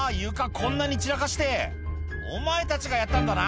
こんなに散らかしてお前たちがやったんだな？」